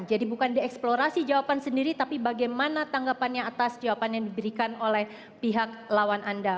jadi bukan dieksplorasi jawaban sendiri tapi bagaimana tanggapannya atas jawaban yang diberikan oleh pihak lawan anda